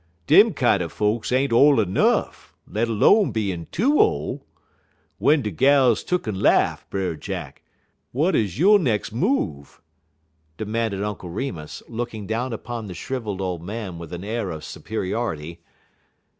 Dem kinder folks ain't ole nuff, let 'lone bein' too ole. W'en de gal tuck'n laff, Brer Jack, w'at 'uz yo' nex' move?" demanded Uncle Remus, looking down upon the shrivelled old man with an air of superiority.